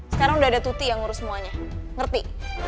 sekarang udah ada tuti yang ngurus semuanya ngerti